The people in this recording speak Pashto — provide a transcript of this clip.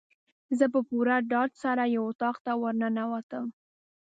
زه په پوره ډاډ سره یو اطاق ته ورننوتم.